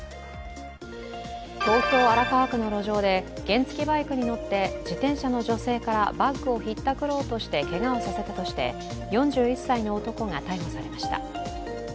東京・荒川区の路上で原付バイクに乗って自転車の女性からバッグをひったくろうとしてけがをさせたとして４１歳の男が逮捕されました。